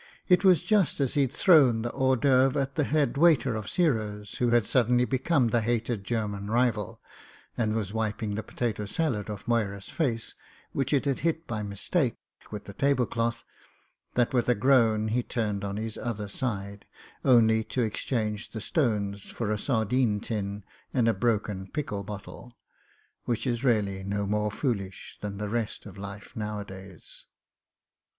It was just as he'd thrown the hors d'oeuvres at the head waiter of Giro's, who had suddenly be come the hated German rival, and was wiping the po tato salad off Moyra's face, which it had hit by mis take, with the table cloth, that with a groan he turned on his other side — only to exchange the stones for a sardine tin and a broken pickle bottle. Which is really no more foolish than the rest of life nowadays.